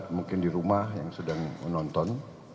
mungkin dirumah yang sedang menonton